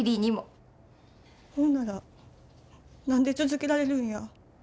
ほんなら何で続けられるんや？